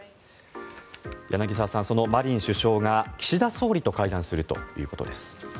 柳澤さん、マリン首相が岸田総理と会談するということです。